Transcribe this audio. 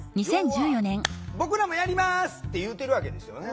要は「僕らもやります」って言うてるわけですよね。